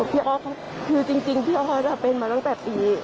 พี่ออสจริงจะเป็นมาตั้งแต่ปี๕๙